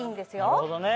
なるほどね！